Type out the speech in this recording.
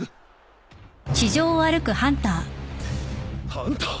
ハンター！？